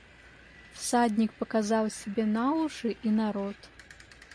Всадник показал себе на уши и на рот.